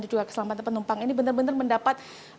dan juga keselamatan penumpang ini benar benar mendapat